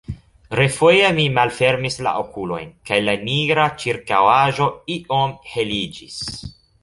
Refoje mi malfermis la okulojn, kaj la nigra ĉirkaŭaĵo iom heliĝis.